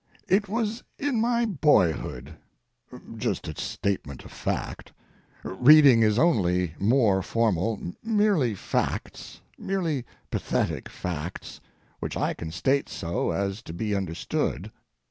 It was in my boyhood just a statement of fact, reading is only more formal, merely facts, merely pathetic facts, which I can state so as to be understood.